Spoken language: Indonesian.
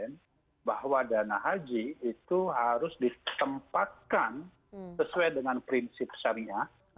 nah komisi delapan sudah beberapa kali mengingatkan agar dana haji itu harus disempatkan sesuai dengan prinsip syariah